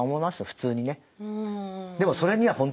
普通にね。